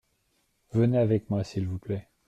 Venez avec moi s’il vous plait .